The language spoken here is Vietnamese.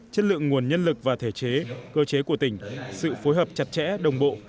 chất lượng nguồn nhân lực và thể chế cơ chế của tỉnh sự phối hợp chặt chẽ đồng bộ